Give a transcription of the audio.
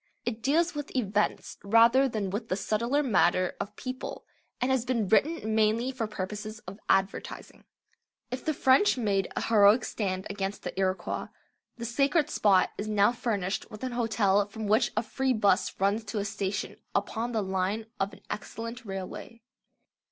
It deals with events rather than with the subtler matter of people, and has been written mainly for purposes of advertising. If the French made a heroic stand against the Iroquois, the sacred spot is now furnished with an hotel from which a free 'bus runs to a station upon the line of an excellent railway.